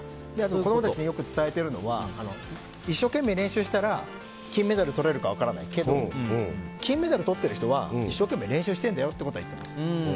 子供たちによく伝えているのは一生懸命、練習したら金メダルとれるか分からないけど金メダルとってる人は一生懸命練習してるんだよということは言ってます。